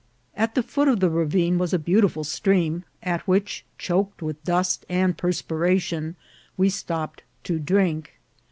At the foot of the ra vine was a beautiful stream, at which, choked with dust and perspiration, we stopped to drink.